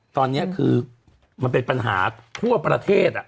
ตอนนี้คือมันเป็นปัญหาทั่วประเทศ